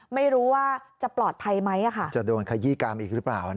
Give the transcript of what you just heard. ไม่รู้ว่าจะปลอดภัยไหมจะโดนขยี้กรรมอีกหรือเปล่า